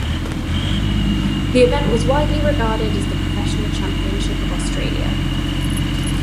The event was widely regarded as the professional championship of Australia.